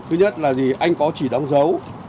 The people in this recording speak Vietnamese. thứ nhất là gì anh có chỉ đóng dấu